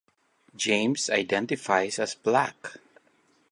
James identifies as black.